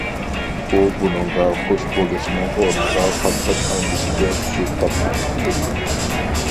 ئۇ بۇنىڭغا خۇش بولۇشنىڭ ئورنىغا قاتتىق ئەندىشىگە چۈشۈپ قاپتۇ.